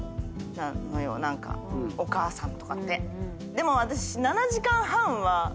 でも私。